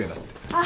ああ。